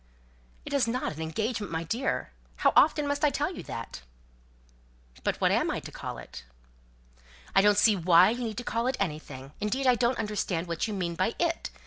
"It is not an engagement, my dear! How often must I tell you that?" "But what am I to call it?" "I don't see why you need to call it anything. Indeed, I don't understand what you mean by 'it.'